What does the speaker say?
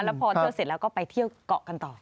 แล้วพอเที่ยวเสร็จแล้วก็ไปเที่ยวเกาะกันต่อ